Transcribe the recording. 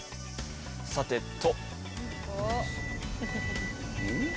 さてと。